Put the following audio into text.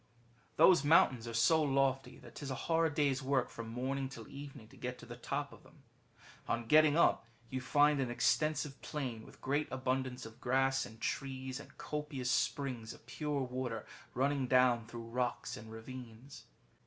*^ Those mountains are so lofty that 'tis a hard day's work, from morning till evening, to get to the top of them. On getting up,^ you find an extensive plain, with great abundance of grass and trees, and copious springs of pure water running down through rocks and ravines.